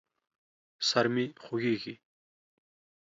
سر مې خوږېږي.